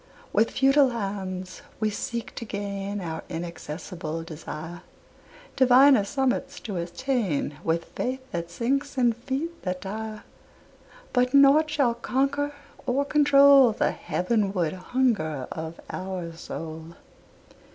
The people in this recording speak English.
With futile hands we seek to gain Our inaccessible desire, Diviner summits to attain, With faith that sinks and feet that tire; But nought shall conquer or control The heavenward hunger of our soul.